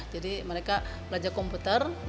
jadi mereka belajar komputer